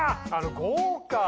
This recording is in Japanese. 豪華！